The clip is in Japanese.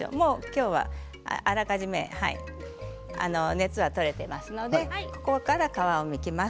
今日はもうあらかじめ熱が取れていますのでここから皮をむきます。